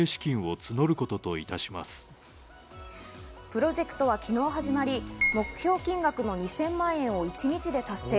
プロジェクトは昨日始まり、目標金額の２０００万円を一日で達成。